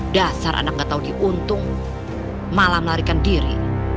dasar anak gak tau diuntung malah melarikan diri